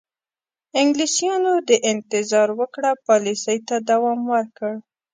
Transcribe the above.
انګلیسیانو د انتظار وکړه پالیسۍ ته دوام ورکړ.